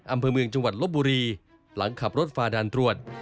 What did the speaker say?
อำเภอเมืองจังหวัดลบบุรีหลังขับรถฝ่าด่านตรวจ